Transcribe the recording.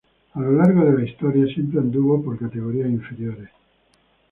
A lo largo de la historia siempre anduvo por categorías inferiores.